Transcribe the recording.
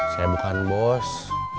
saya bukan bos